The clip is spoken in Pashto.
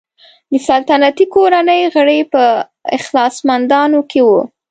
د سلطنتي کورنۍ غړي په اخلاصمندانو کې وو.